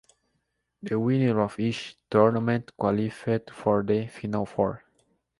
The winner of each tournament qualified for the final four.